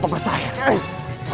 kamu orang terakhir yang bersama